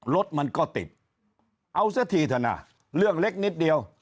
รถมันก็ติดเอาซะทีเถอะนะเรื่องเล็กนิดเดียว